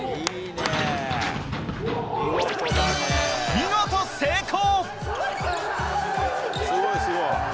見事成功。